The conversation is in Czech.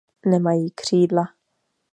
Nemají křídla.